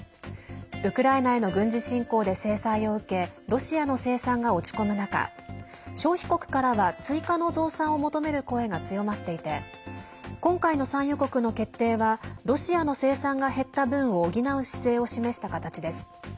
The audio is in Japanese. ウクライナへの軍事侵攻で制裁を受けロシアの生産が落ち込む中消費国からは追加の増産を求める声が強まっていて今回の産油国の決定はロシアの生産が減った分を補う姿勢を示した形です。